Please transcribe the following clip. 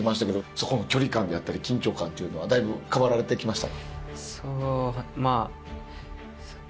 そこの距離感であったり緊張感っていうのはだいぶ変わられてきました？